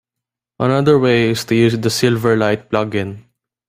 Another way is to use the Silverlight plugin.